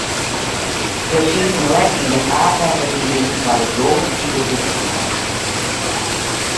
Der siet in lek yn de haadwetterlieding foar de doar by de boekhannel.